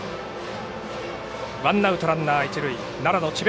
ワンアウトランナー、一塁奈良の智弁